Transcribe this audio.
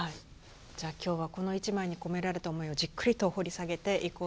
じゃあ今日はこの一枚に込められた思いをじっくりと掘り下げていこうと思います。